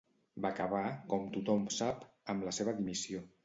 Va acabar, com tothom sap, amb la seva dimissió.